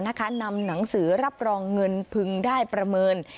นำหนังสือรับรองเงินพึงได้ประเมิน